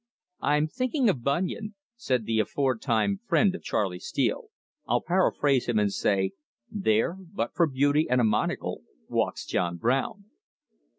"I'm thinking of Bunyan," said the aforetime friend of Charley Steele. "I'll paraphrase him and say: 'There, but for beauty and a monocle, walks John Brown.